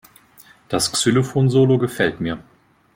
Das Xylophon-Solo gefällt mir.